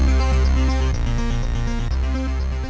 โปรดติดตามตอนต่อไป